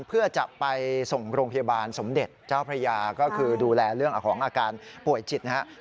เพื่อจะไปส่งโรงพยาบาลสมเด็จเจ้าพระยาก็คือดูแลเรื่องของอาการป่วยจิตนะครับ